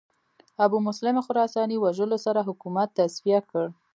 ابومسلم خراساني وژلو سره حکومت تصفیه کړ